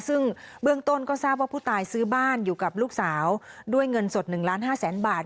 ซึ่งเบื้องต้นก็ทราบว่าผู้ตายซื้อบ้านอยู่กับลูกสาวด้วยเงินสด๑ล้าน๕แสนบาท